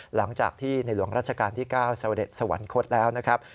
หลังจากที่ในหลวงราชการที่๙เสด็จสวรรคตแล้วนะครับ